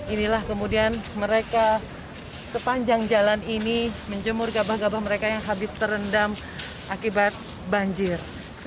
inilah kemudian mereka sepanjang jalan ini menjemur gabah gabah mereka yang habis terendam akibat banjir